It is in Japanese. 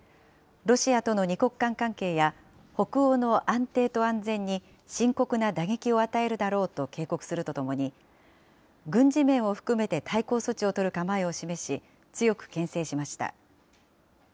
ロシアとの２国間関係や、北欧の安定と安全に深刻な打撃を与えるだろうと警告するとともに、軍事面を含めて対抗措置を取る構えを示し、強くけん制しました。